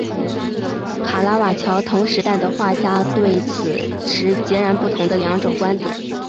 卡拉瓦乔同时代的画家对此持截然不同的两种观点。